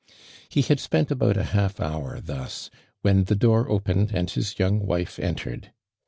He had spent about a half hour thr ., when the door opened and his young wife entered.